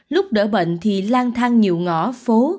lúc đỡ bệnh thì lan thang nhiều ngõ phố